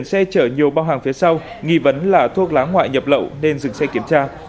xe chở nhiều bao hàng phía sau nghi vấn là thuốc lá ngoại nhập lậu nên dừng xe kiểm tra